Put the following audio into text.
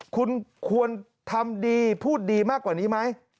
คุณควรทำดีพูดดีมากกว่านี้ไหม